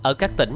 ở các tỉnh